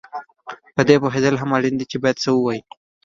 په دې پوهېدل هم اړین دي چې باید څه ووایې